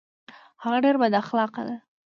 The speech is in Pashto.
هغه ډیر بد اخلاقه ده